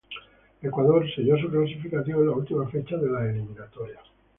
Ecuador selló su clasificación en la última fecha de las eliminatorias.